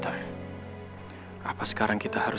udahnya gak tahu